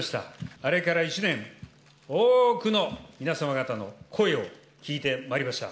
あれから１年、多くの皆様方の声を聞いてまいりました。